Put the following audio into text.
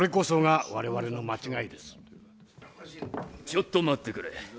ちょっと待ってくれ。